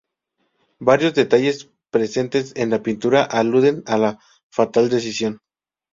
Varios detalles presentes en la pintura aluden a la fatal decisión.